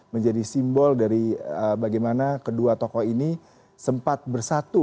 menjadi simbol dari bagaimana kedua tokoh ini sempat bersatu